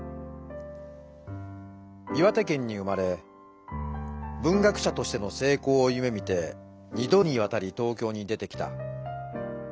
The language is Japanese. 岩手県に生まれ文学者としてのせいこうをゆめみて二度にわたり東京に出てきた。